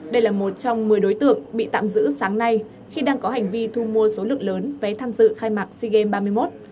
đây là một trong một mươi đối tượng bị tạm giữ sáng nay khi đang có hành vi thu mua số lượng lớn vé tham dự khai mạc sea games ba mươi một